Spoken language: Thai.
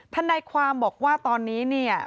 ทนายความบอกว่าตอนนี้เนี่ย